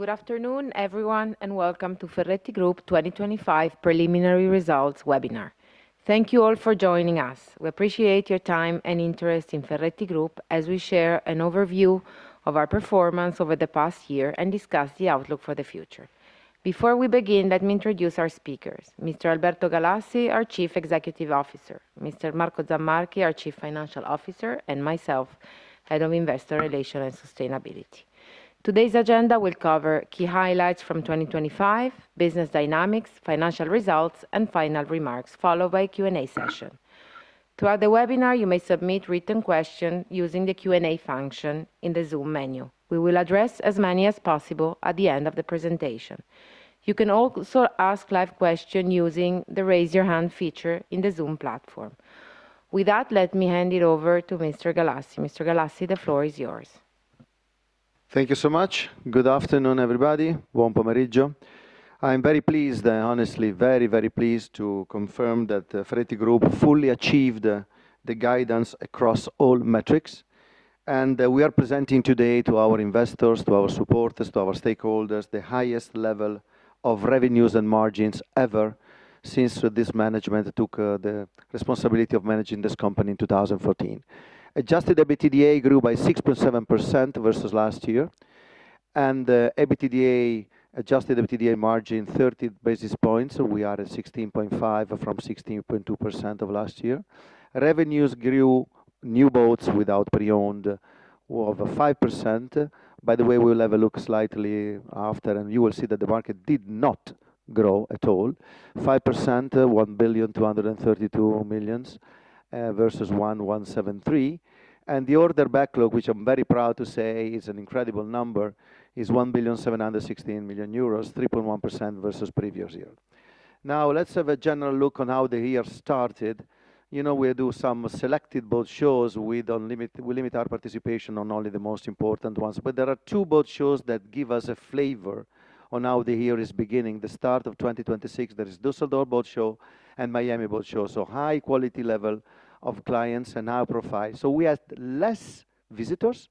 Good afternoon, everyone, welcome to Ferretti Group 2025 Preliminary Results Webinar. Thank you all for joining us. We appreciate your time and interest in Ferretti Group as we share an overview of our performance over the past year and discuss the outlook for the future. Before we begin, let me introduce our speakers: Mr. Alberto Galassi, Chief Executive Officer; Mr. Marco Zammarchi, Chief Financial Officer; myself, Head of Investor Relations and Sustainability. Today's agenda will cover key highlights from 2025, business dynamics, financial results, and final remarks, followed by a Q&A session. Throughout the webinar, you may submit written questions using the Q&A function in the Zoom menu. We will address as many as possible at the end of the presentation. You can also ask live question using the Raise Your Hand feature in the Zoom platform. With that, let me hand it over to Mr. Galassi. Mr. Galassi, the floor is yours. Thank you so much. Good afternoon, everybody. Buon pomeriggio. I'm very pleased, honestly, very, very pleased to confirm that Ferretti Group fully achieved the guidance across all metrics. We are presenting today to our investors, to our supporters, to our stakeholders, the highest level of revenues and margins ever since this management took the responsibility of managing this company in 2014. Adjusted EBITDA grew by 6.7% versus last year, adjusted EBITDA margin, 30 basis points. We are at 16.5 from 16.2% of last year. Revenues grew new boats without pre-owned over 5%. By the way, we will have a look slightly after, and you will see that the market did not grow at all. 5%, 1,232 million versus 1,173 million. The order backlog, which I'm very proud to say is an incredible number, is 1.716 billion euros, 3.1% versus previous year. Let's have a general look on how the year started. You know, we do some selected boat shows. We limit our participation on only the most important ones. There are two boat shows that give us a flavor on how the year is beginning, the start of 2026. There is Düsseldorf Boat Show and Miami Boat Show, so high quality level of clients and our profile. We had less visitors,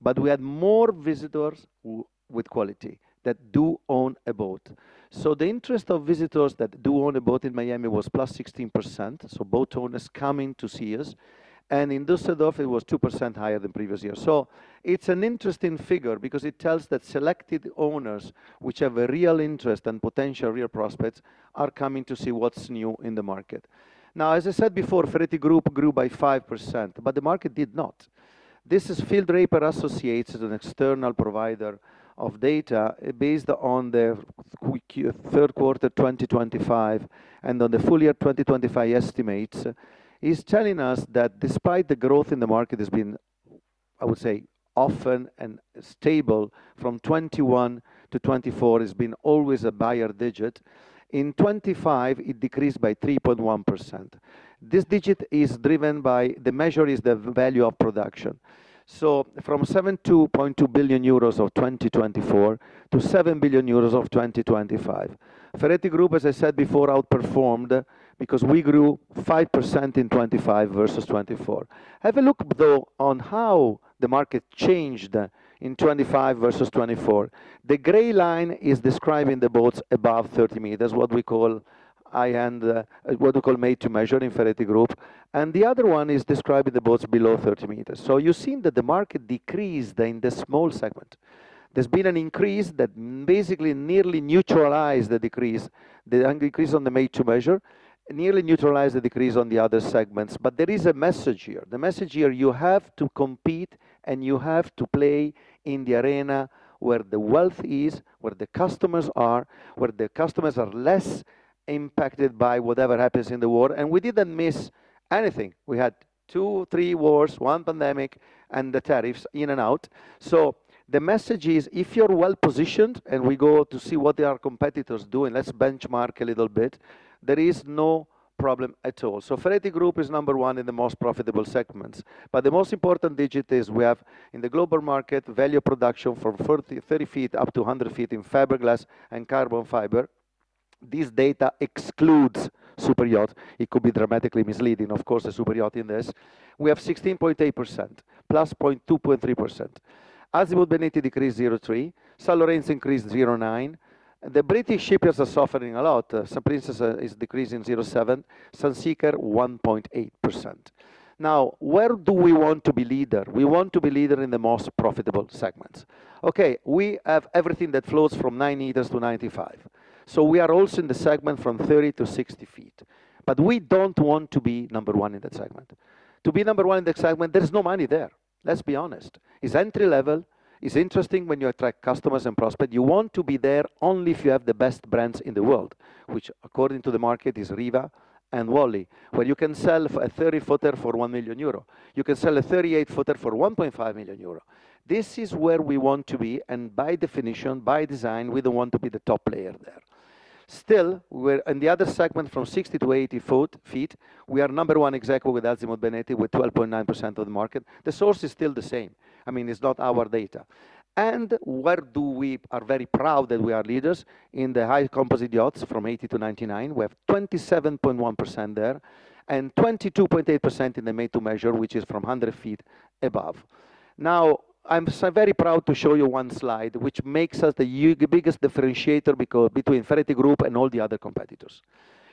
but we had more visitors with quality that do own a boat. The interest of visitors that do own a boat in Miami was +16%, so boat owners coming to see us, and in Düsseldorf, it was 2% higher than previous year. It's an interesting figure because it tells that selected owners, which have a real interest and potential real prospects, are coming to see what's new in the market. As I said before, Ferretti Group grew by 5%, but the market did not. This is Draper & Associates, an external provider of data, based on the Q3 2025 and on the full year 2025 estimates, is telling us that despite the growth in the market has been, I would say, often and stable from 2021-2024, it's been always a buyer digit. In 2025, it decreased by 3.1%. This digit is driven by. The measure is the value of production. From 7.2 billion euros of 2024 to 7 billion euros of 2025. Ferretti Group, as I said before, outperformed because we grew 5% in 2025 versus 2024. Have a look, though, on how the market changed in 2025 versus 2024. The gray line is describing the boats above 30 meters, what we call high-end, what we call made-to-measure in Ferretti Group, and the other one is describing the boats below 30 meters. You've seen that the market decreased in the small segment. There's been an increase that basically nearly neutralized the decrease, the increase on the made-to-measure, nearly neutralized the decrease on the other segments. There is a message here. The message here, you have to compete, and you have to play in the arena where the wealth is, where the customers are, where the customers are less impacted by whatever happens in the world. We didn't miss anything. We had two, three wars, one pandemic, and the tariffs in and out. The message is, if you're well-positioned, and we go to see what our competitors doing, let's benchmark a little bit, there is no problem at all. Ferretti Group is number one in the most profitable segments, but the most important digit is we have in the global market, value production from 30 feet up to 100 feet in fiberglass and carbon fiber. This data excludes superyacht. It could be dramatically misleading. Of course, a superyacht in this. We have 16.8%, plus 0.2%-0.3%. Azimut Benetti decreased 0.3%, Sanlorenzo increased 0.9%. The British shipbuilders are suffering a lot. Princess Yachts is decreasing 0.7%, Sunseeker, 1.8%. Where do we want to be leader? We want to be leader in the most profitable segments. Okay, we have everything that floats from nine meters to 95. We are also in the segment from 30 to 60 feet. We don't want to be number one in that segment. To be number one in that segment, there's no money there. Let's be honest. It's entry level. It's interesting when you attract customers and prospects. You want to be there only if you have the best brands in the world, which according to the market, is Riva and Wally, where you can sell a 30 footer for 1 million euro. You can sell a 38 footer for 1.5 million euro. This is where we want to be, and by definition, by design, we don't want to be the top player there. Still, we're in the other segment from 60-80 feet, we are number one with Azimut Benetti, with 12.9% of the market. The source is still the same. I mean, it's not our data. Where we are very proud that we are leaders? In the high composite yachts from 80-99. We have 27.1% there and 22.8% in the made-to-measure, which is from 100 feet above. I'm so very proud to show you one slide, which makes us the biggest differentiator between Ferretti Group and all the other competitors.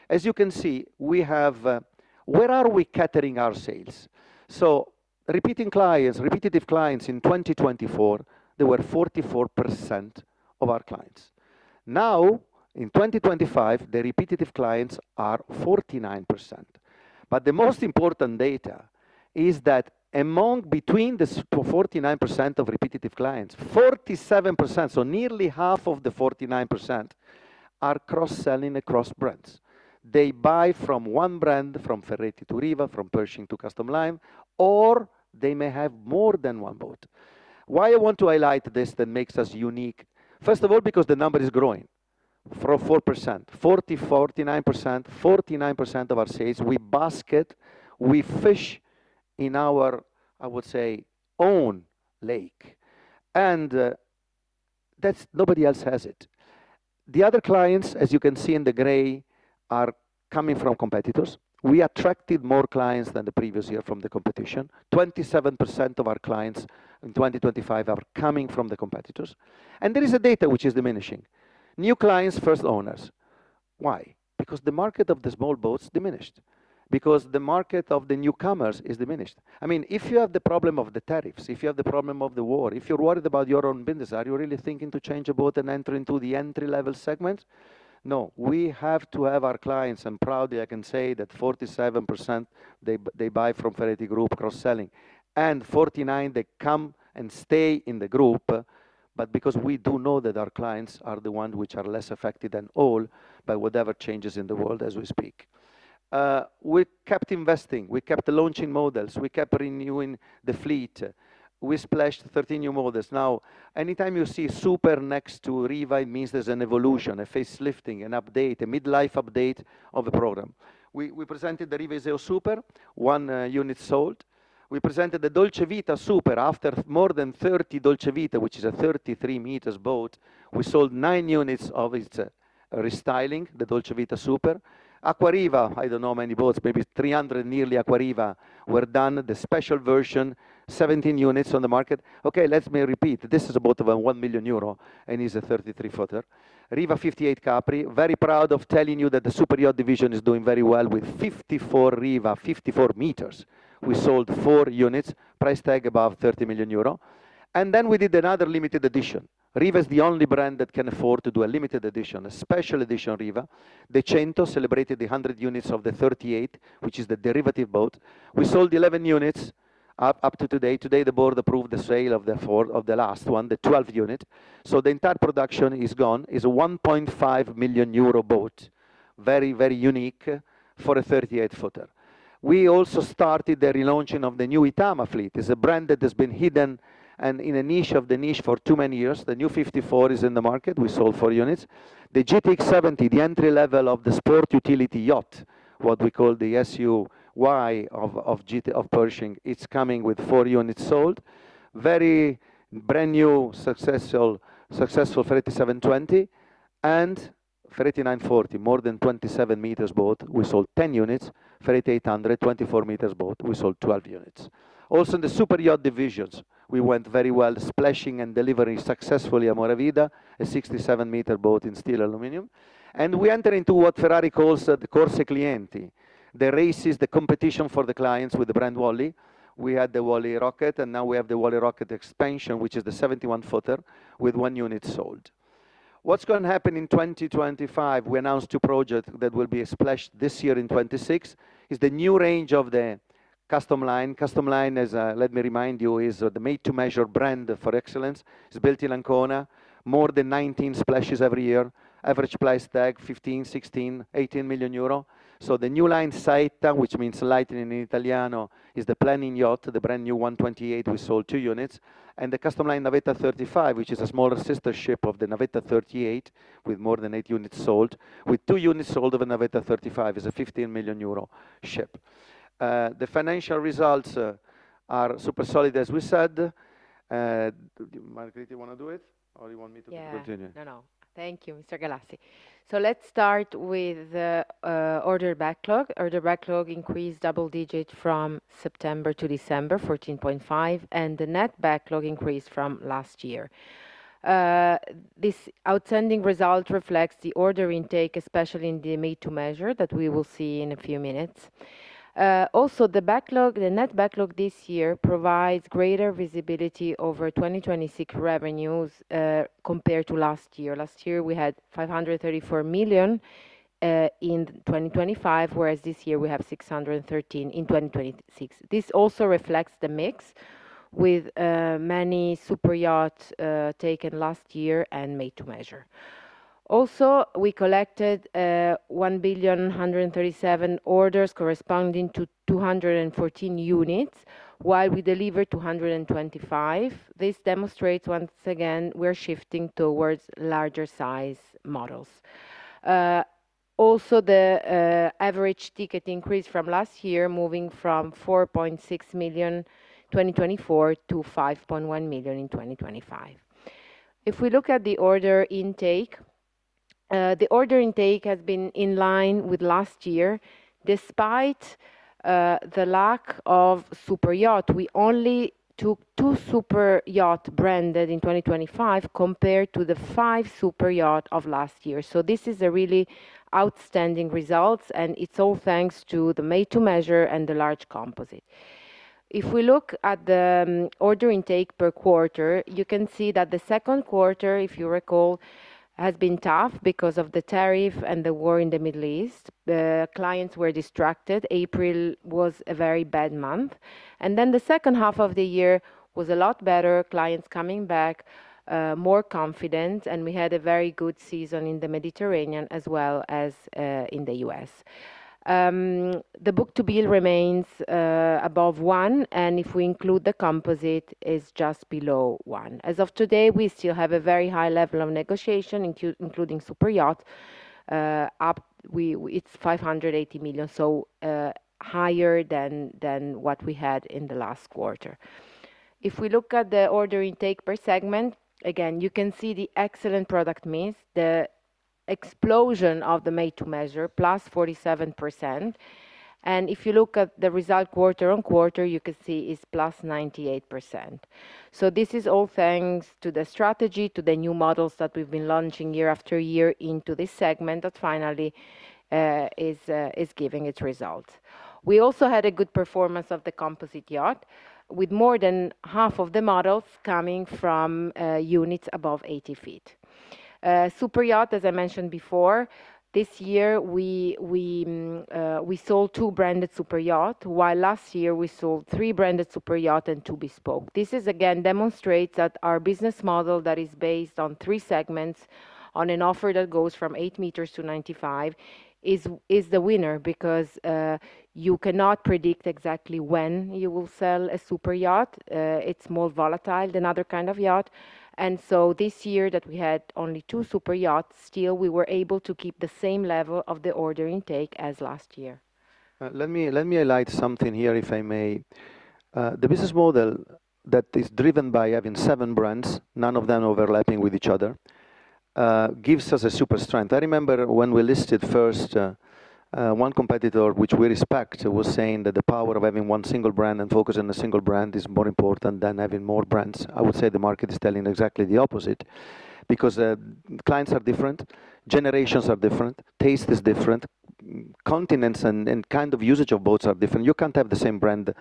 As you can see, we have, where are we catering our sales? Repeating clients, repetitive clients in 2024, they were 44% of our clients. Now, in 2025, the repetitive clients are 49%. The most important data is that among between the 49% of repetitive clients, 47%, so nearly half of the 49%, are cross-selling across brands. They buy from one brand, from Ferretti to Riva, from Pershing to Custom Line, or they may have more than one boat. I want to highlight this that makes us unique? First of all, because the number is growing from 49%. 49% of our sales, we basket, we fish in our, I would say, own lake, and that's, nobody else has it. The other clients, as you can see in the gray, are coming from competitors. We attracted more clients than the previous year from the competition. 27% of our clients in 2025 are coming from the competitors. There is a data which is diminishing. New clients, first owners. Why? Because the market of the small boats diminished. Because the market of the newcomers is diminished. I mean, if you have the problem of the tariffs, if you have the problem of the war, if you're worried about your own business, are you really thinking to change a boat and enter into the entry-level segment? No. We have to have our clients, and proudly, I can say that 47%, they buy from Ferretti Group cross-selling, and 49%, they come and stay in the group, but because we do know that our clients are the ones which are less affected than all by whatever changes in the world as we speak. We kept investing, we kept launching models, we kept renewing the fleet. We splashed 13 new models. Now, anytime you see Super next to Riva, it means there's an evolution, a face lifting, an update, a mid-life update of the program. We presented the Riva Super, one unit sold. We presented the Dolce Vita Super. After more than 30 Dolce Vita, which is a 33 meters boat, we sold nine units of its restyling, the Dolce Vita Super. Aquariva, I don't know how many boats, maybe 300, nearly. Aquariva were done, the special version, 17 units on the market. Okay, let me repeat. This is a boat of 1 million euro and is a 33-footer. Riva 58' Capri, very proud of telling you that the superyacht division is doing very well with 54 Riva, 54 meters. We sold four units, price tag above 30 million euro. We did another limited edition. Riva is the only brand that can afford to do a limited edition, a special edition Riva. The Cento celebrated the 100 units of the 38, which is the derivative boat. We sold 11 units up to today. Today, the board approved the sale of the last one, the 12th unit, the entire production is gone. It's a 1.5 million euro boat. Very unique for a 38-footer. We also started the relaunching of the new Itama fleet. It's a brand that has been hidden and in a niche of the niche for too many years. The new 54 is in the market. We sold four units. The Pershing GTX70, the entry-level of the Sport Utility Yacht, what we call the SUY of Pershing, it's coming with four units sold. Very brand-new, successful Ferretti Yachts 720 and Ferretti Yachts 940, more than 27 meters boat. We sold 10 units. Ferretti Yachts 800, 24 meters boat, we sold 12 units. Also, in the superyacht divisions, we went very well, splashing and delivering successfully Amor à Vida, a 67-meter boat in steel aluminum. We enter into what Ferrari calls the Corse Clienti. The race is the competition for the clients with the brand Wally. We had the wallyrocket, and now we have the wallyrocket71, which is the 71-footer with 1 unit sold. What's going to happen in 2025? We announced two project that will be splashed this year in 2026, is the new range of the Custom Line. Custom Line is, let me remind you, is the made-to-measure brand for excellence. It's built in Ancona, more than 19 splashes every year, average price tag, 15 million, 16 million, 18 million euro. The new line, Saetta, which means lightning in Italian, is the planing yacht, the brand-new 128. We sold two units. The Custom Line Navetta 35, which is a smaller sister ship of the Navetta 38, with more than eight units sold, with 2 units sold of the Navetta 35, is a 15 million euro ship. The financial results are super solid, as we said. Margherita Sacerdoti, you want to do it, or you want me to continue? No, no. Thank you, Mr. Galassi. Let's start with the order backlog. Order backlog increased double digit from September to December, 14.5, the net backlog increased from last year. This outstanding result reflects the order intake, especially in the made-to-measure, that we will see in a few minutes. The net backlog this year provides greater visibility over 2026 revenues compared to last year. Last year, we had 534 million in 2025, whereas this year we have 613 in 2026. This also reflects the mix with many superyachts taken last year and made-to-measure. We collected 1 billion, 137 orders, corresponding to 21four units, while we delivered 225. This demonstrates, once again, we're shifting towards larger size models. Also, the average ticket increased from last year, moving from 4.6 million in 2024 to 5.1 million in 2025. If we look at the order intake, the order intake has been in line with last year, despite the lack of super yacht. We only took two super yacht branded in 2025, compared to the five super yacht of last year. This is a really outstanding results, and it's all thanks to the made-to-measure and the large composite. If we look at the order intake per quarter, you can see that the second quarter, if you recall, has been tough because of the tariff and the war in the Middle East. The clients were distracted. April was a very bad month. Then the second half of the year was a lot better. Clients coming back, more confident. We had a very good season in the Mediterranean as well as in the U.S. The book-to-bill remains above one, if we include the composite, it's just below one. As of today, we still have a very high level of negotiation, including superyacht. Up we, it's 580 million, higher than what we had in the last quarter. If we look at the order intake per segment, again, you can see the excellent product mix, the explosion of the made-to-measure, +47%. If you look at the result quarter-on-quarter, you can see it's +98%. This is all thanks to the strategy, to the new models that we've been launching year after year into this segment, that finally is giving its results. We also had a good performance of the composite yacht, with more than half of the models coming from units above 80 feet. Super yacht, as I mentioned before, this year, we sold 2 branded super yacht, while last year we sold three branded super yacht and two bespoke. This is, again, demonstrates that our business model that is based on three segments, on an offer that goes from 8 meters to 95, is the winner because you cannot predict exactly when you will sell a super yacht. It's more volatile than other kind of yacht. This year that we had only two superyachts, still, we were able to keep the same level of the order intake as last year. Let me highlight something here, if I may. The business model that is driven by having seven brands, none of them overlapping with each other, gives us a super strength. I remember when we listed first, one competitor, which we respect, was saying that the power of having one single brand and focusing on a single brand is more important than having more brands. I would say the market is telling exactly the opposite, because clients are different, generations are different, taste is different, continents and kind of usage of boats are different. You can't have the same brand,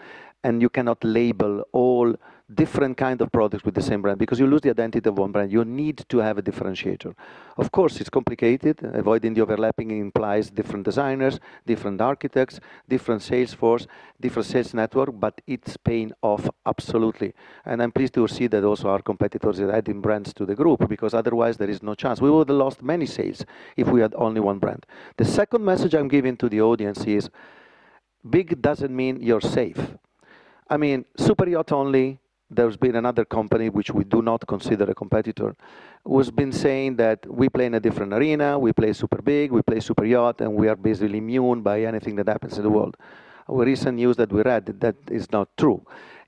and you cannot label all different kinds of products with the same brand because you lose the identity of one brand. You need to have a differentiator. Of course, it's complicated. Avoiding the overlapping implies different designers, different architects, different sales force, different sales network, but it's paying off absolutely. I'm pleased to see that also our competitors are adding brands to the group, because otherwise there is no chance. We would have lost many sales if we had only one brand. The second message I'm giving to the audience is, big doesn't mean you're safe. I mean, superyacht only, there's been another company, which we do not consider a competitor, who's been saying that we play in a different arena, we play super big, we play superyacht, and we are basically immune by anything that happens in the world. Recent news that we read, that is not true.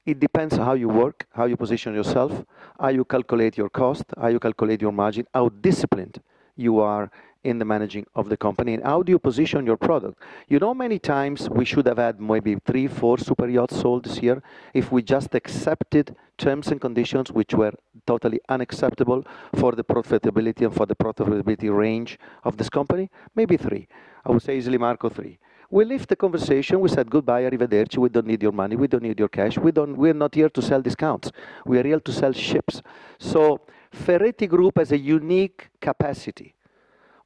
It depends how you work, how you position yourself, how you calculate your cost, how you calculate your margin, how disciplined you are in the managing of the company, and how do you position your product. You know, many times we should have had maybe three, four superyachts sold this year if we just accepted terms and conditions which were totally unacceptable for the profitability and for the profitability range of this company. Maybe three. I would say easily, Marco, three. We left the conversation. We said, "Goodbye, arrivederci. We don't need your money. We don't need your cash. We're not here to sell discounts. We are here to sell ships." Ferretti Group has a unique capacity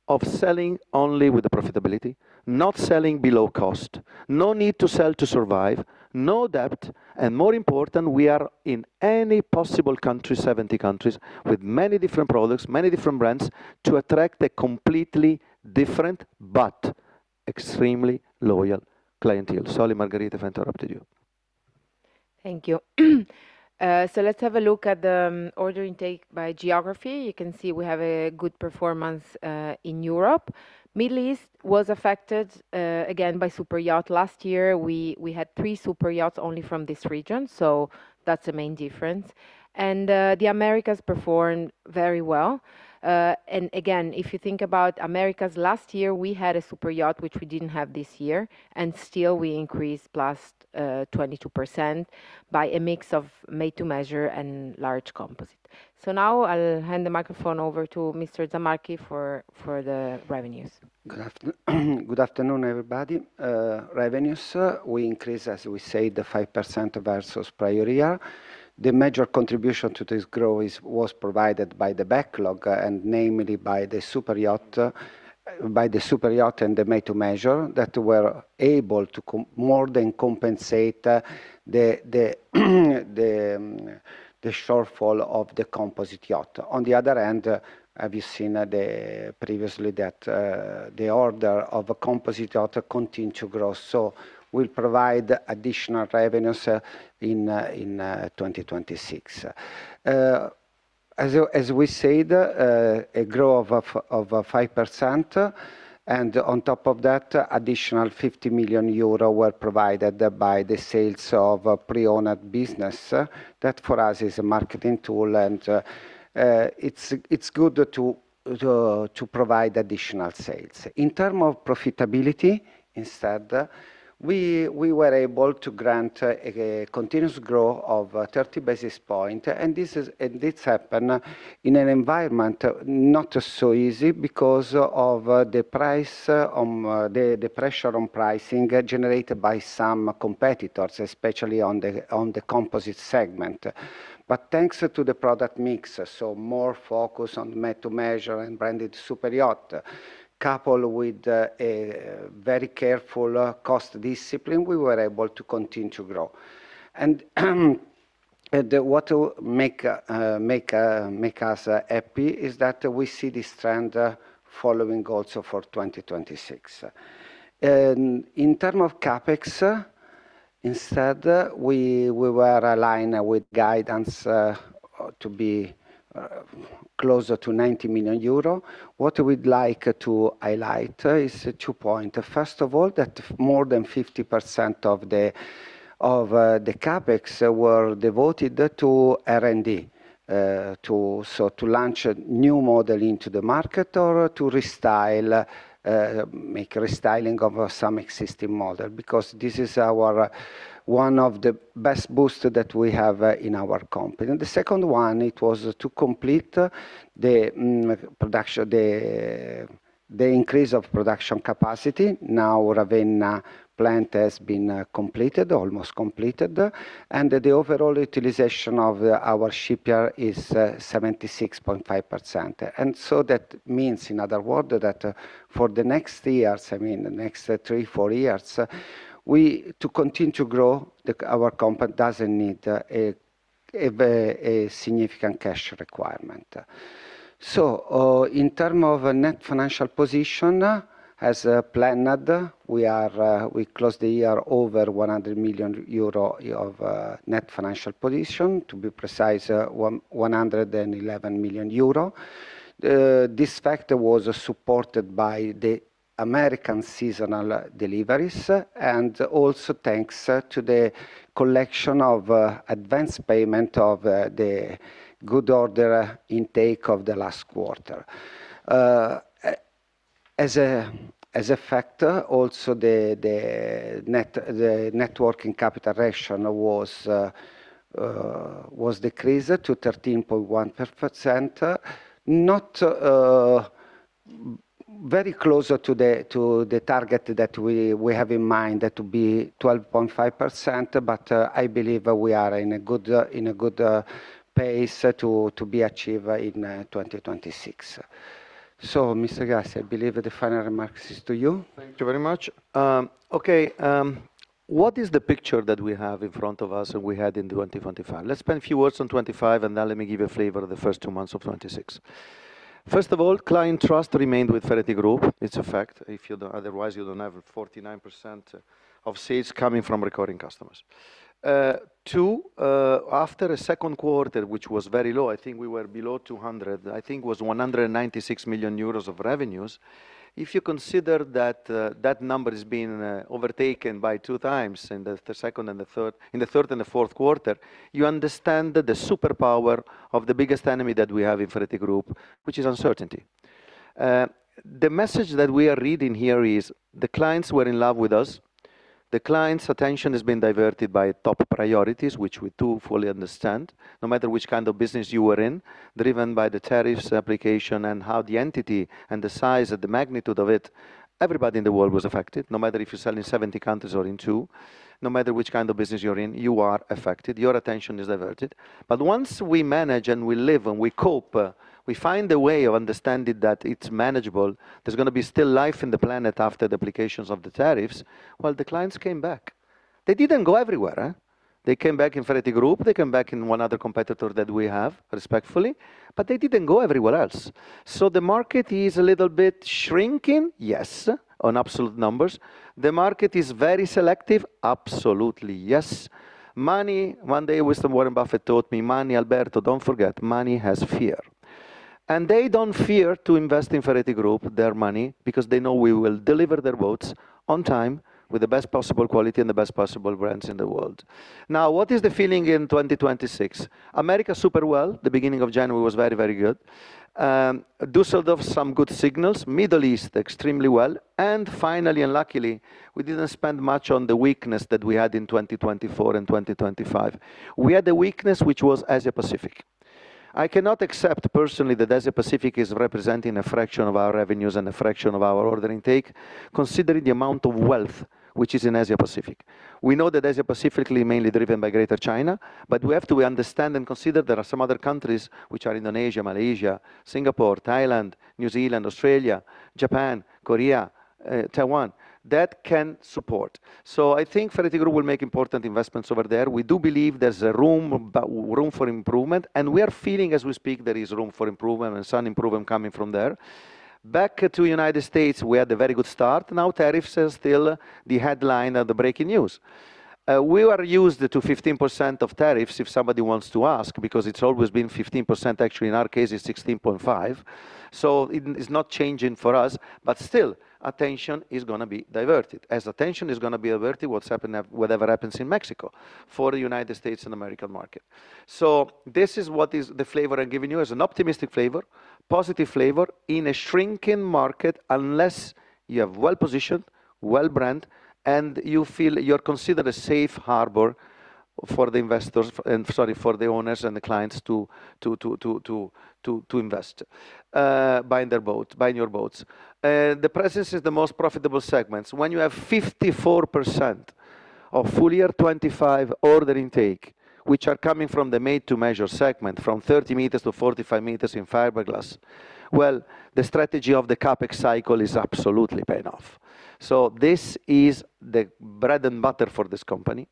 of selling only with the profitability, not selling below cost, no need to sell to survive, no debt, and more important, we are in any possible country, 70 countries, with many different products, many different brands, to attract a completely different but extremely loyal clientele. Sorry, Margherita, if I interrupted you. Thank you. Let's have a look at the order intake by geography. You can see we have a good performance in Europe. Middle East was affected again by superyacht. Last year, we had three superyachts only from this region, that's the main difference. The Americas performed very well. Again, if you think about Americas, last year, we had a superyacht, which we didn't have this year, and still we increased plus 22% by a mix of made-to-measure and large composite. Now I'll hand the microphone over to Mr. Zammarchi for the revenues. Good afternoon, everybody. Revenues, we increased, as we said, the 5% versus prior year. The major contribution to this growth was provided by the backlog, and namely by the superyacht and the made-to-measure, that were able to more than compensate the shortfall of the composite yacht. On the other hand, as you've seen, previously, that the order of a composite yacht continue to grow, so will provide additional revenues in 2026. As we said, a growth of 5%, and on top of that, additional 50 million euro were provided by the sales of a pre-owned business. That for us is a marketing tool, and it's good to provide additional sales. In term of profitability, instead, we were able to grant a continuous growth of 30 basis point, and this happened in an environment not so easy because of the pressure on pricing generated by some competitors, especially on the composite segment. Thanks to the product mix, so more focus on made-to-measure and branded super yacht, coupled with a very careful cost discipline, we were able to continue to grow. What make us happy is that we see this trend following also for 2026. In term of CapEx, instead, we were aligned with guidance to be closer to 90 million euro. What we'd like to highlight is two point. First of all, that more than 50% of the CapEx were devoted to R&D, to launch a new model into the market or to restyle, make restyling of some existing model, because this is our, one of the best booster that we have in our company. The second one, it was to complete the production, the increase of production capacity. Now, Ravenna plant has been completed, almost completed, and the overall utilization of our shipyard is 76.5%. That means, in other words, that for the next years, I mean, the next three, four years, we to continue to grow, our company doesn't need a significant cash requirement. In term of a net financial position, as planned, we closed the year over 100 million euro of net financial position, to be precise, 111 million euro. This factor was supported by the American seasonal deliveries, and also thanks to the collection of advanced payment of the good order intake of the last quarter. As a factor, also, the net working capital ratio was decreased to 13.1%. Not very closer to the target that we have in mind, that to be 12.5%, but I believe we are in a good in a good pace to be achieved by in 2026. Mr. Galassi, I believe the final remarks is to you. Thank you very much. What is the picture that we have in front of us and we had in 2025? Let's spend a few words on 25, and then let me give you a flavor of the first two months of 26. First of all, client trust remained with Ferretti Group. It's a fact. If you don't, otherwise, you don't have 49% of sales coming from recurring customers. Two, after a second quarter, which was very low, I think we were below 200, I think it was 196 million euros of revenues. If you consider that that number is being overtaken by two times in the second and the third and the fourth quarter, you understand that the superpower of the biggest enemy that we have in Ferretti Group, which is uncertainty. The message that we are reading here is, the clients were in love with us. The clients' attention has been diverted by top priorities, which we too fully understand, no matter which kind of business you were in, driven by the tariffs application and how the entity and the size and the magnitude of it, everybody in the world was affected. No matter if you sell in 70 countries or in two, no matter which kind of business you're in, you are affected. Your attention is diverted. Once we manage, and we live, and we cope, we find a way of understanding that it's manageable. There's going to be still life in the planet after the applications of the tariffs. The clients came back. They didn't go everywhere. They came back in Ferretti Group. They came back in one other competitor that we have, respectfully, but they didn't go everywhere else. The market is a little bit shrinking? Yes, on absolute numbers. The market is very selective? Absolutely, yes. Money, one day, wisdom Warren Buffett taught me: "Money, Alberto, don't forget, money has fear." They don't fear to invest in Ferretti Group, their money, because they know we will deliver their boats on time with the best possible quality and the best possible brands in the world. What is the feeling in 2026? America, super well. The beginning of January was very, very good. Düsseldorf some good signals. Middle East, extremely well. Finally, and luckily, we didn't spend much on the weakness that we had in 2024 and 2025. We had a weakness, which was Asia Pacific. I cannot accept personally that Asia Pacific is representing a fraction of our revenues and a fraction of our order intake, considering the amount of wealth which is in Asia Pacific. We know that Asia Pacific is mainly driven by Greater China, but we have to understand and consider there are some other countries which are Indonesia, Malaysia, Singapore, Thailand, New Zealand, Australia, Japan, Korea, Taiwan, that can support. I think Ferretti Group will make important investments over there. We do believe there's a room for improvement, and we are feeling, as we speak, there is room for improvement and some improvement coming from there. Back to United States, we had a very good start. Tariffs is still the headline of the breaking news. We were used to 15% of tariffs, if somebody wants to ask, because it's always been 15%. Actually, in our case, it's 16.5, so it's not changing for us. Still, attention is gonna be diverted. As attention is gonna be diverted, whatever happens in Mexico for the United States and American market. This is what is the flavor I'm giving you, is an optimistic flavor, positive flavor in a shrinking market, unless you have well-positioned, well brand, and you feel you're considered a safe harbor for the investors, sorry, for the owners and the clients to invest, buying their boat, buying your boats. The presence is the most profitable segments. When you have 54% of full year 2025 order intake, which are coming from the made-to-measure segment, from 30 meters to 45 meters in fiberglass, well, the strategy of the CapEx cycle is absolutely paying off. This is the bread and butter for this company,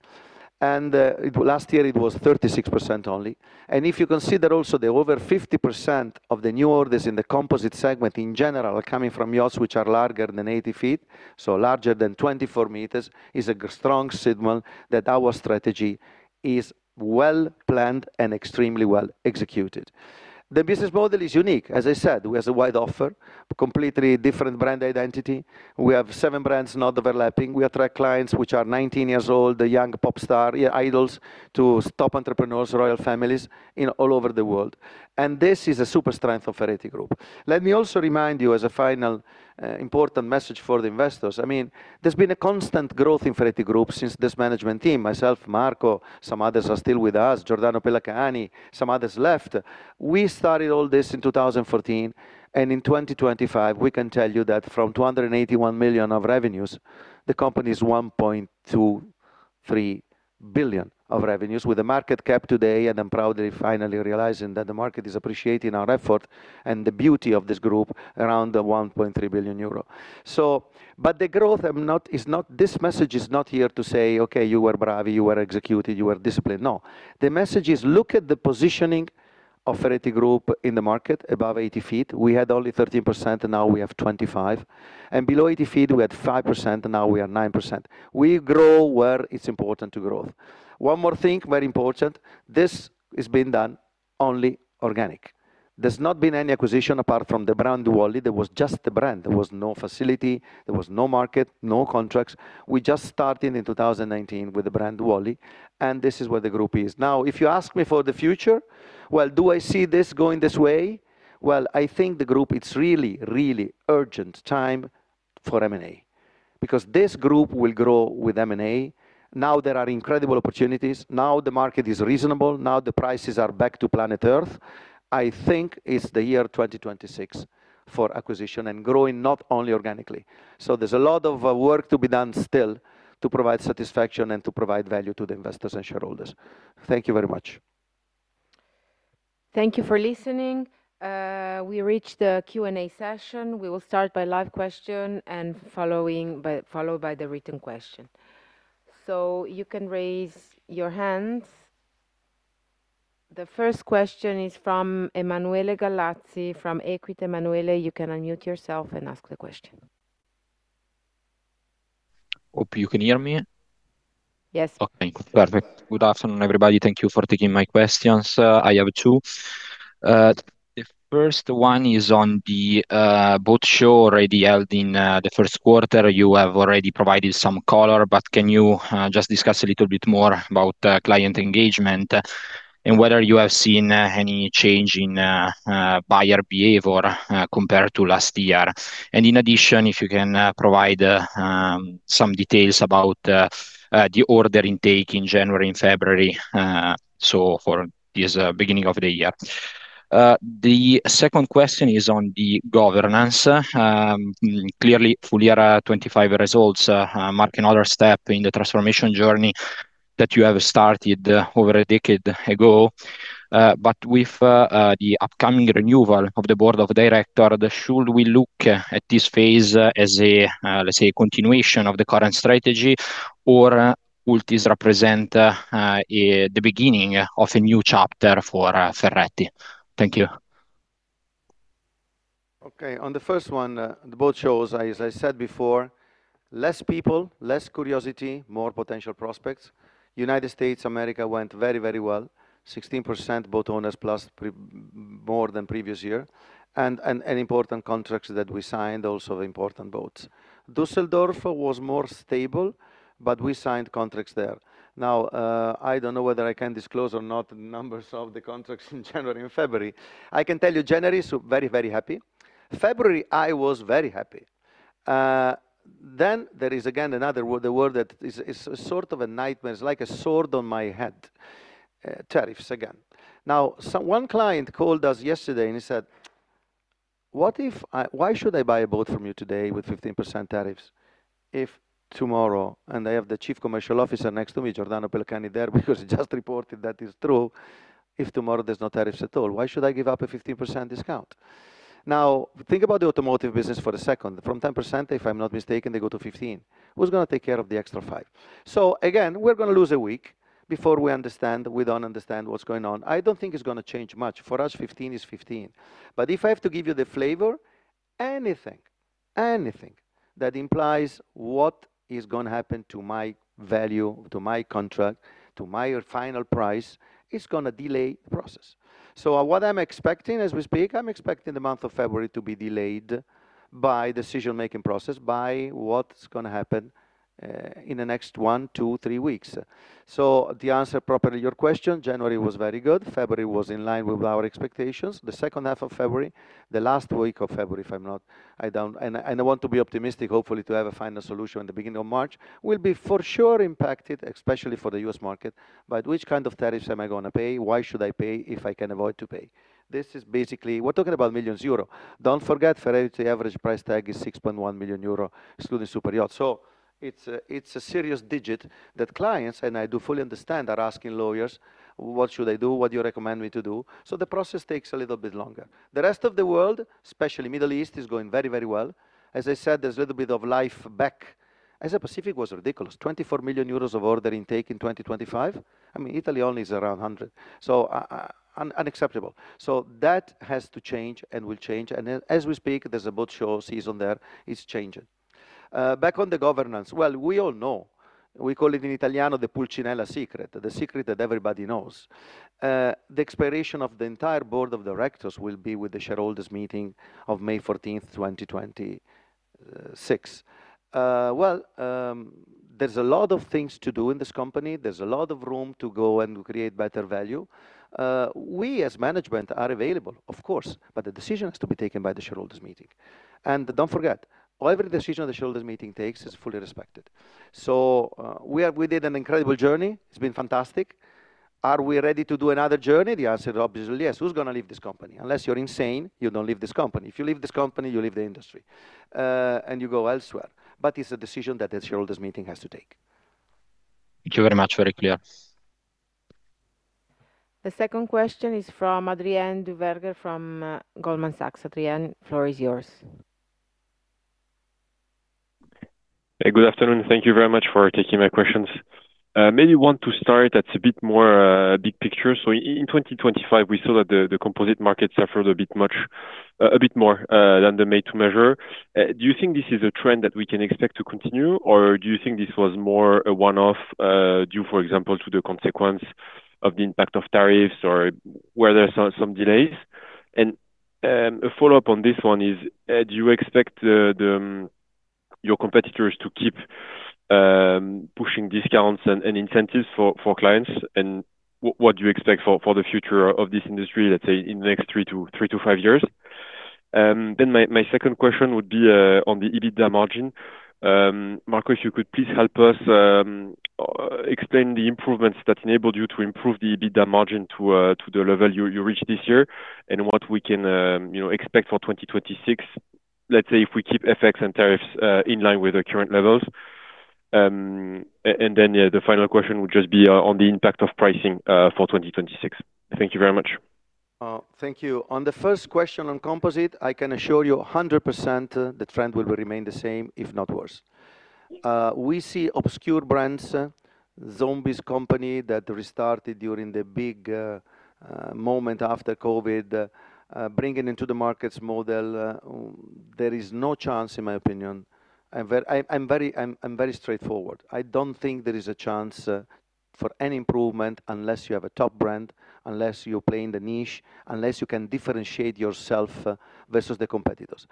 last year it was 36% only. If you consider also the over 50% of the new orders in the composite segment in general are coming from yachts, which are larger than 80 feet, so larger than 24 meters, is a strong signal that our strategy is well-planned and extremely well-executed. The business model is unique. As I said, we has a wide offer, completely different brand identity. We have seven brands, not overlapping. We attract clients which are 19 years old, the young pop star, yeah, idols, to top entrepreneurs, royal families, in all over the world. This is a super strength of Ferretti Group. Let me also remind you, as a final important message for the investors, there's been a constant growth in Ferretti Group since this management team, myself, Marco, some others are still with us, Giordano Pellacani, some others left. We started all this in 2014, in 2025, we can tell you that from 281 million of revenues, the company is 1.23 billion of revenues, with a market cap today, and I'm proudly finally realizing that the market is appreciating our effort and the beauty of this group, around 1.3 billion euro. The growth, this message is not here to say, "Okay, you were brave, you were executed, you were disciplined." No. The message is: Look at the positioning of Ferretti Group in the market above 80 feet. We had only 13%, and now we have 25. Below 80 feet, we had 5%, and now we are 9%. We grow where it's important to grow. One more thing, very important, this has been done only organic. There's not been any acquisition apart from the brand Wally. There was just the brand. There was no facility, there was no market, no contracts. We just started in 2019 with the brand Wally, and this is where the group is. If you ask me for the future, well, do I see this going this way? I think the group, it's really, really urgent time for M&A. This group will grow with M&A. There are incredible opportunities. The market is reasonable. The prices are back to planet Earth. I think it's the year 2026 for acquisition and growing, not only organically. There's a lot of work to be done still to provide satisfaction and to provide value to the investors and shareholders. Thank you very much. Thank you for listening. We reached the Q&A session. We will start by live question and followed by the written question. You can raise your hands. The first question is from Emanuele Gallazzi from Equita. Emanuele, you can unmute yourself and ask the question. Hope you can hear me? Yes. Okay, perfect. Good afternoon, everybody. Thank you for taking my questions. I have two. The first one is on the boat show already held in the first quarter. You have already provided some color. Can you just discuss a little bit more about the client engagement, and whether you have seen any change in buyer behavior compared to last year? In addition, if you can provide some details about the order intake in January and February, so for this beginning of the year. The second question is on the governance. Clearly, full year 2025 results mark another step in the transformation journey that you have started over a decade ago. With the upcoming renewal of the board of director, should we look at this phase as a, let's say, a continuation of the current strategy, or would this represent the beginning of a new chapter for Ferretti? Thank you. Okay. On the first one, the boat shows, as I said before, less people, less curiosity, more potential prospects. United States of America went very, very well. 16% boat owners, plus more than previous year, and important contracts that we signed, also the important boats. Düsseldorf was more stable, we signed contracts there. I don't know whether I can disclose or not the numbers of the contracts in January and February. I can tell you, January, very, very happy. February, I was very happy. There is again, another word, the word that is sort of a nightmare. It's like a sword on my head. Tariffs again. One client called us yesterday, and he said, "Why should I buy a boat from you today with 15% tariffs if tomorrow" I have the Chief Commercial Officer next to me, Giordano Pellacani, there, because he just reported that is true. "If tomorrow there's no tariffs at all, why should I give up a 15% discount?" Think about the automotive business for a second. From 10%, if I'm not mistaken, they go to 15. Who's gonna take care of the extra five? Again, we're gonna lose a week before we understand, we don't understand what's going on. I don't think it's gonna change much. For us, 15 is 15. If I have to give you the flavor, anything that implies what is gonna happen to my value, to my contract, to my final price, is gonna delay the process. What I'm expecting as we speak, I'm expecting the month of February to be delayed by decision-making process, by what's gonna happen in the next one to three weeks. To answer properly your question, January was very good. February was in line with our expectations. The second half of February, the last week of February, and I want to be optimistic, hopefully, to have a final solution in the beginning of March, will be for sure impacted, especially for the U.S. market. Which kind of tariffs am I gonna pay? Why should I pay if I can avoid to pay? This is, we're talking about millions EUR. Don't forget, Ferretti average price tag is 6.1 million euros, excluding superyacht. It's a serious digit that clients, and I do fully understand, are asking lawyers, "What should I do? What do you recommend me to do?" The process takes a little bit longer. The rest of the world, especially Middle East, is going very, very well. As I said, there's a little bit of life back. Asia Pacific was ridiculous, 24 million euros of order intake in 2025. I mean, Italy only is around 100, so unacceptable. That has to change and will change. As we speak, there's a boat show season there, it's changing. Back on the governance, well, we all know, we call it in Italiano, the Pulcinella's secret, the secret that everybody knows. The expiration of the entire board of directors will be with the shareholders' meeting of 14th May 2026. Well, there's a lot of things to do in this company. There's a lot of room to go and create better value. We, as management, are available, of course, but the decision is to be taken by the shareholders' meeting. Don't forget, whatever decision the shareholders' meeting takes is fully respected. We did an incredible journey. It's been fantastic. Are we ready to do another journey? The answer is obviously yes. Who's gonna leave this company? Unless you're insane, you don't leave this company. If you leave this company, you leave the industry, and you go elsewhere. It's a decision that the shareholders' meeting has to take. Thank you very much. Very clear. The second question is from Adrien Duverger, from Goldman Sachs. Adrien, floor is yours. Hey, good afternoon. Thank you very much for taking my questions. Maybe want to start at a bit more big picture. In 2025, we saw that the composite market suffered a bit much, a bit more than the made-to-measure. Do you think this is a trend that we can expect to continue, or do you think this was more a one-off, due, for example, to the consequence of the impact of tariffs or were there some delays? A follow-up on this one is, do you expect the your competitors to keep pushing discounts and incentives for clients? What do you expect for the future of this industry, let's say, in the next three to four years? My second question would be on the EBITDA margin. Marco, you could please help us explain the improvements that enabled you to improve the EBITDA margin to the level you reached this year, and what we can, you know, expect for 2026, let's say, if we keep FX and tariffs in line with the current levels. Yeah, the final question would just be on the impact of pricing for 2026. Thank you very much. Thank you. On the first question on composite, I can assure you 100% the trend will remain the same, if not worse. We see obscure brands, zombies company that restarted during the big moment after COVID, bringing into the markets model. There is no chance, in my opinion. I'm very straightforward. I don't think there is a chance for any improvement unless you have a top brand, unless you play in the niche, unless you can differentiate yourself versus the competitors.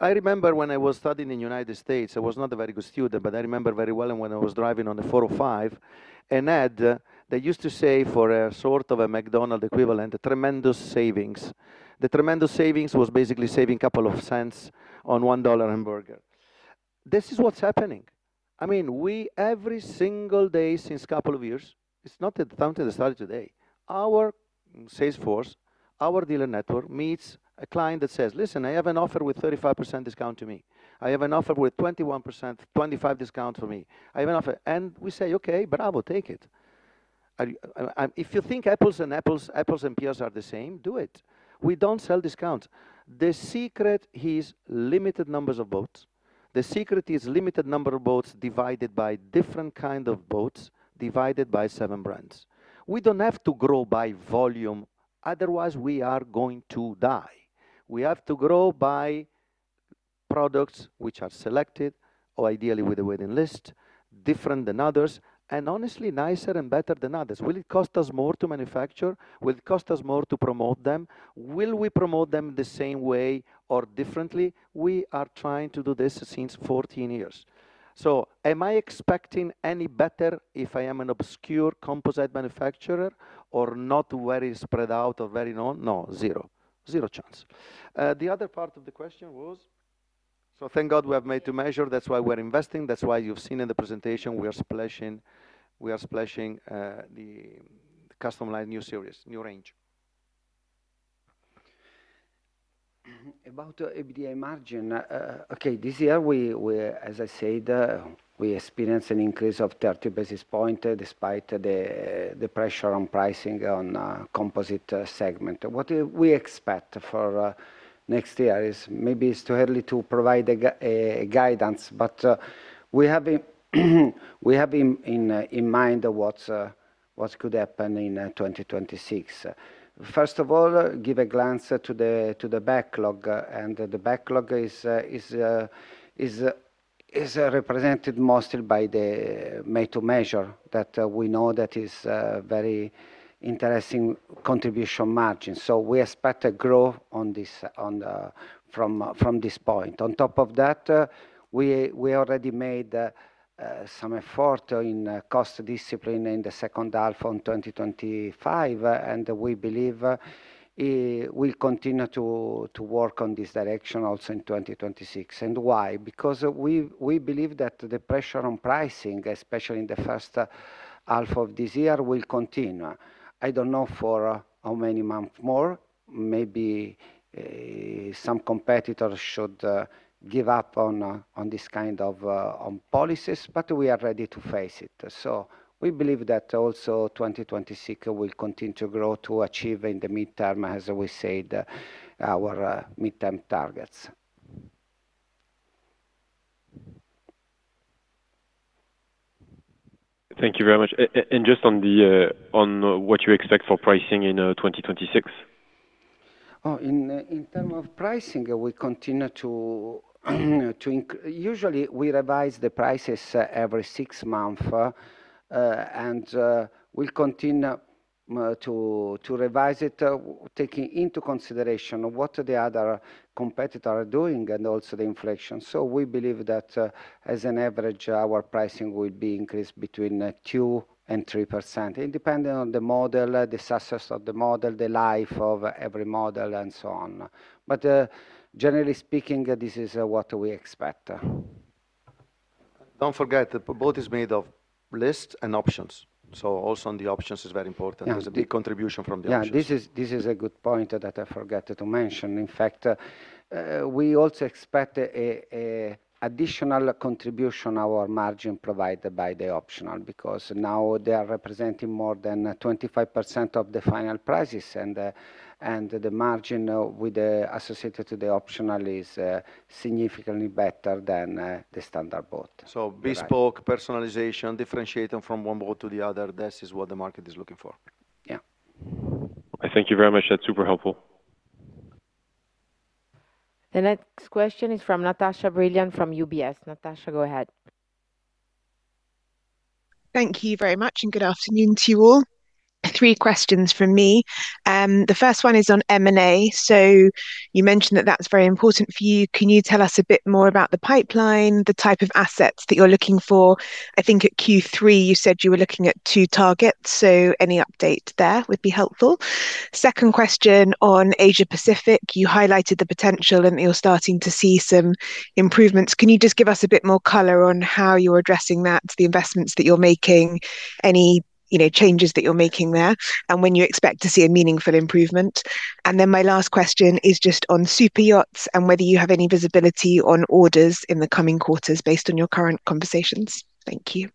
I remember when I was studying in United States, I was not a very good student, I remember very well, when I was driving on the four or five, an ad that used to say, for a sort of a McDonald's equivalent, "Tremendous savings." The tremendous savings was basically saving couple of cents on a $1 hamburger. This is what's happening. I mean, we, every single day since couple of years, it's not that down to the start today, our sales force, our dealer network, meets a client that says, "Listen, I have an offer with 35% discount to me. I have an offer with 21%, 25% discount for me. I have an offer" We say, "Okay, bravo, take it." If you think apples and apples and pears are the same, do it. We don't sell discount. The secret is limited numbers of boats. The secret is limited number of boats divided by different kind of boats, divided by seven brands. We don't have to grow by volume, otherwise, we are going to die. We have to grow by products which are selected or ideally with a waiting list, different than others, and honestly, nicer and better than others. Will it cost us more to manufacture? Will it cost us more to promote them? Will we promote them the same way or differently? We are trying to do this since 14 years. Am I expecting any better if I am an obscure composite manufacturer or not very spread out or very known? No. zero zero chance. The other part of the question was? Thank God, we have made-to-measure. That's why we're investing. That's why you've seen in the presentation, we are splashing, the Custom Line, new series, new range. About the EBITDA margin, okay, this year, we, as I said, we experienced an increase of 30 basis points despite the pressure on pricing on composite segment. What do we expect for next year is maybe it's too early to provide a guidance, but we have in mind what could happen in 2026? First of all, give a glance to the backlog, the backlog is represented mostly by the made-to-measure that we know that is very interesting contribution margin. We expect a growth on this from this point. On top of that, we already made some effort in cost discipline in the second half of 2025, and we believe it will continue to work on this direction also in 2026. Why? Because we believe that the pressure on pricing, especially in the 1st half of this year, will continue. I don't know for how many months more. Maybe some competitors should give up on this kind of, on policies, but we are ready to face it. We believe that also 2026 will continue to grow to achieve in the midterm, as we said, our midterm targets. Thank you very much. Just on the on what you expect for pricing in 2026. In term of pricing, we continue to. Usually, we revise the prices every six months, and we continue to revise it, taking into consideration what the other competitors are doing and also the inflation. We believe that, as an average, our pricing will be increased between 2% and 3%, and depending on the model, the success of the model, the life of every model, and so on. Generally speaking, this is what we expect. Don't forget, the boat is made of lists and options, so also on the options is very important. Yeah. There's a big contribution from the options. This is a good point that I forgot to mention. In fact, we also expect an additional contribution, our margin provided by the optional, because now they are representing more than 25% of the final prices, and the margin associated to the optional is significantly better than the standard boat. Bespoke, personalization, differentiating from one boat to the other, this is what the market is looking for. Yeah. Thank you very much. That's super helpful. The next question is from Natasha Brilliant from UBS. Natasha, go ahead. Thank you very much. Good afternoon to you all. Three questions from me. The first one is on M&A. You mentioned that that's very important for you. Can you tell us a bit more about the pipeline, the type of assets that you're looking for? I think at Q3, you said you were looking at two targets. Any update there would be helpful. Second question on Asia Pacific. You highlighted the potential, and you're starting to see some improvements. Can you just give us a bit more color on how you're addressing that, the investments that you're making, any, you know, changes that you're making there, and when you expect to see a meaningful improvement? My last question is just on super yachts and whether you have any visibility on orders in the coming quarters based on your current conversations. Thank you.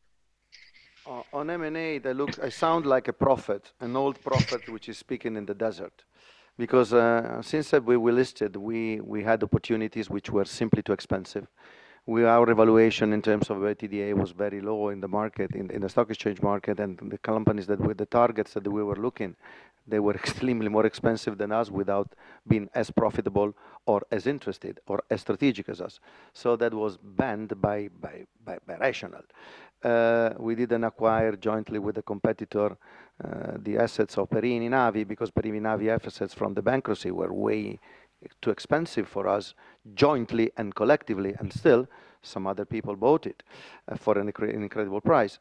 On M&A, I sound like a prophet, an old prophet which is speaking in the desert, because since that we were listed, we had opportunities which were simply too expensive. With our evaluation in terms of EBITDA was very low in the stock exchange market, and the companies that were the targets that we were looking, they were extremely more expensive than us without being as profitable or as interested or as strategic as us. That was banned by rational. We didn't acquire jointly with a competitor, the assets of Perini Navi, because Perini Navi assets from the bankruptcy were way too expensive for us, jointly and collectively, and still, some other people bought it for an incredible price.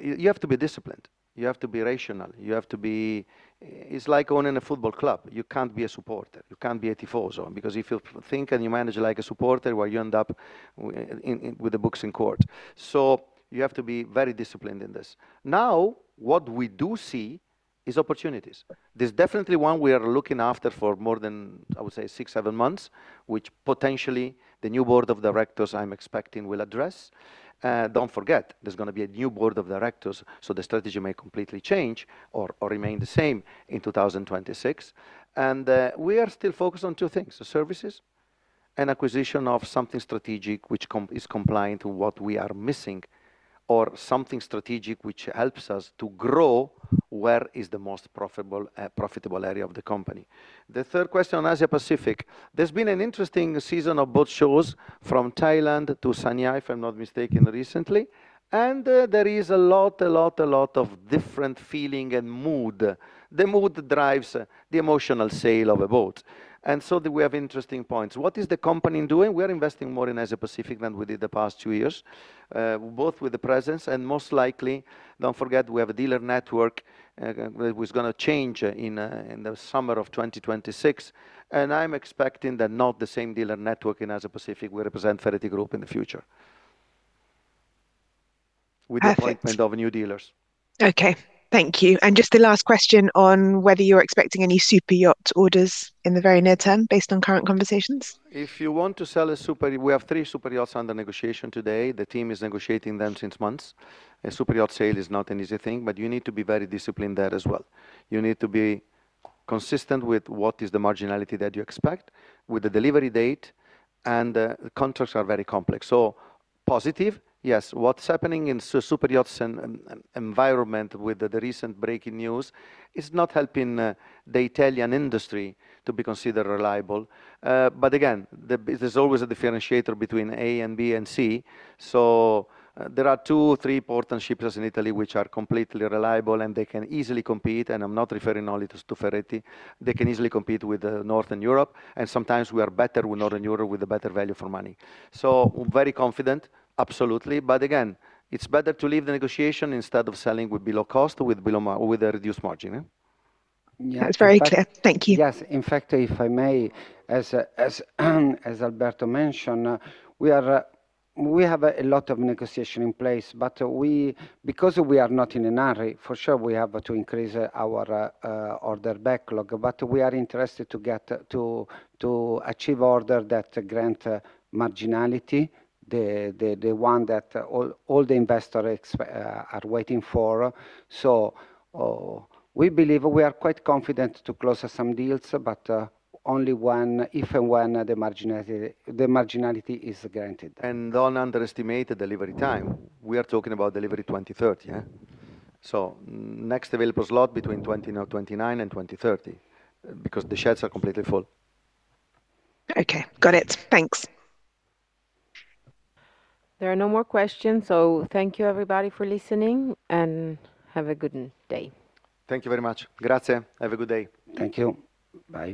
You have to be disciplined. You have to be rational. It's like owning a football club. You can't be a supporter. You can't be a tifoso, because if you think and you manage like a supporter, well, you end up with the books in court. You have to be very disciplined in this. What we do see is opportunities. There's definitely one we are looking after for more than, I would say, six, seven months, which potentially the new board of directors, I'm expecting, will address. Don't forget, there's gonna be a new board of directors, so the strategy may completely change or remain the same in 2026. We are still focused on two things: the services and acquisition of something strategic, which is compliant to what we are missing, or something strategic, which helps us to grow, where is the most profitable area of the company. The third question on Asia Pacific. There's been an interesting season of boat shows from Thailand to Sanya, if I'm not mistaken, recently, there is a lot of different feeling and mood. The mood drives the emotional sale of a boat, we have interesting points. What is the company doing? We are investing more in Asia Pacific than we did the past two years, both with the presence and most likely, don't forget, we have a dealer network, which is gonna change in the summer of 2026. I'm expecting that not the same dealer network in Asia Pacific will represent Ferretti Group in the future. Perfect. With the appointment of new dealers. Okay, thank you. Just the last question on whether you're expecting any superyacht orders in the very near term, based on current conversations. If you want to sell a superyacht. We have three superyachts under negotiation today. The team is negotiating them since months. A superyacht sale is not an easy thing. You need to be very disciplined there as well. You need to be consistent with what is the marginality that you expect, with the delivery date, and the contracts are very complex. Positive, yes. What's happening in superyachts and environment with the recent breaking news is not helping the Italian industry to be considered reliable. Again, there's always a differentiator between A and B and C. There are two or three port and shippers in Italy which are completely reliable, and they can easily compete, and I'm not referring only to Ferretti. They can easily compete with Northern Europe, and sometimes we are better with Northern Europe with a better value for money. We're very confident, absolutely, but again, it's better to leave the negotiation instead of selling with below cost, with a reduced margin, eh? That's very clear. Thank you. Yes, in fact, if I may, as Alberto mentioned, we have a lot of negotiation in place, but we, because we are not in a hurry, for sure, we have to increase our order backlog, but we are interested to get to achieve order that grant marginality, the one that all the investor are waiting for. We believe we are quite confident to close some deals, but only when, if and when, the marginality is guaranteed and don't underestimate the delivery time. We are talking about delivery 2030, eh? next available slot between 2020 now, 2029 and 2030, because the sheds are completely full. Okay, got it. Thanks. There are no more questions, so thank you everybody for listening, and have a good day. Thank you very much. Grazie. Have a good day. Thank you. Bye.